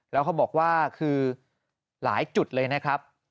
แล้วเขาบอกว่าคือหลายจุดเลยนะครับ